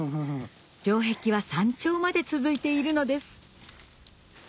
城壁は山頂まで続いているのです